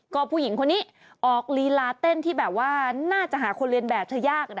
ก็ผู้หญิงคนนี้ออกลีลาเต้นที่แบบว่าน่าจะหาคนเรียนแบบเธอยากนะ